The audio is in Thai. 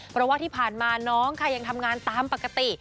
เพราะว่าที่ผ่านมาน้องค่ะยังทำงานตามปกติ